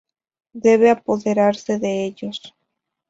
Debe apoderarse de ellos.